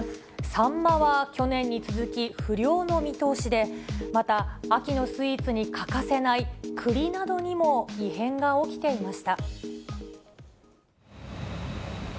サンマは去年に続き不漁の見通しで、また秋のスイーツに欠かせないくりなどにも異変が起きていました。